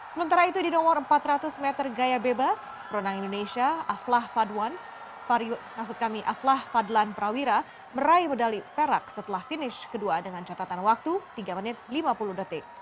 sementara itu di nomor empat ratus meter gaya bebas perenang indonesia aflah aflah fadlan prawira meraih medali perak setelah finish kedua dengan catatan waktu tiga menit lima puluh detik